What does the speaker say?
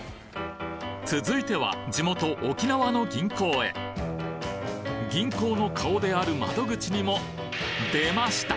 続いては地元沖縄の銀行へ銀行の顔である窓口にもでました！！